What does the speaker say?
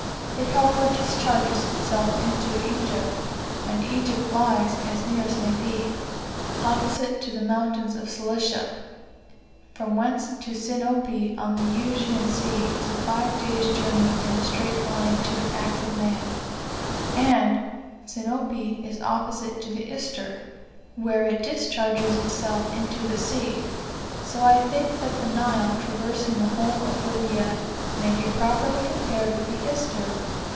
It however discharges itself into Egypt; and Egypt lies, as near as may be, opposite to the mountains of Cilicia; from whence to Sinope, on the Euxine Sea, is a five days' journey in a straight line to an active man; and Sinope is opposite to the Ister, where it discharges itself into the sea. So I think that the Nile, traversing the whole of Libya, may be properly compared with the Ister.